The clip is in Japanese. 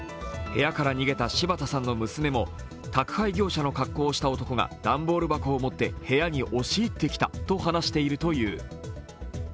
部屋から逃げた柴田さんの娘も、宅配業者の格好をしていた男が段ボール箱を持って部屋に押し入ってきたと話しているという。